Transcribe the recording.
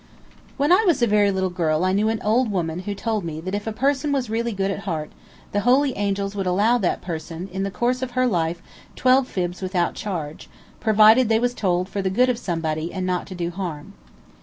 When I was a very little girl I knew an old woman who told me that if a person was really good at heart, the holy angels would allow that person, in the course of her life, twelve fibs without charge, provided they was told for the good of somebody and not to do harm.